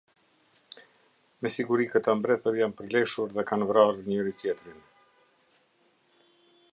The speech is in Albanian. Me siguri këta mbretër janë përleshur dhe kanë vrarë njeri tjetrin.